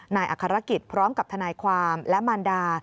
นายอัครกิจพร้อมกับทนายความและมารดา